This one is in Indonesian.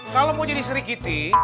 kalau mau jadi serikiti